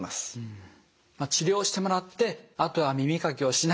治療してもらってあとは耳かきをしない。